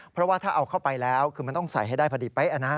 เพราะว่าถ้าเอาเข้าไปแล้วคือมันต้องใส่ให้ได้พอดีเป๊ะ